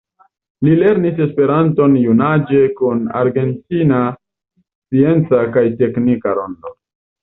Li lernis esperanton junaĝe kun Argentina Scienca kaj Teknika Rondo.